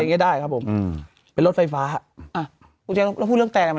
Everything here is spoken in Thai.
อย่างนี้ได้ครับผมเป็นรถไฟฟ้าอ่ะคุณพูดเรื่องแต่